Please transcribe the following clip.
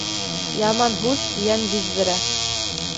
Яман һүҙ йән биҙҙерә.